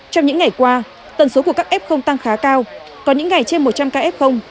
trong những ngày qua tần số của các f tăng khá cao có những ngày trên một trăm linh ca f